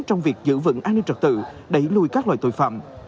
trong việc giữ vững an ninh trật tự đẩy lùi các loại tội phạm